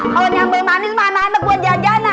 kalau nyampe manis mana anak buat jajanan